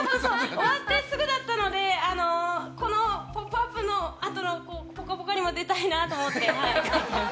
終わってすぐだったので「ポップＵＰ！」のあとの「ぽかぽか」にも出たいなと思って。